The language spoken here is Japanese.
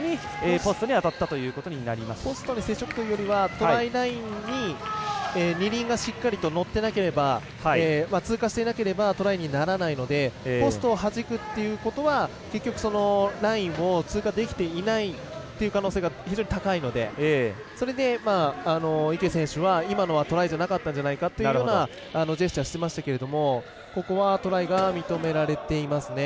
ポストに接触というよりはトライラインに２輪がしっかりと乗っていなければ通過していなければトライにならないのでポストをはじくっていうことは結局、そのラインを通過できていないという可能性が非常に高いのでそれで、池選手は今のはトライじゃなかったんじゃないかというジェスチャーをしてましたけどもここはトライが認められていますね。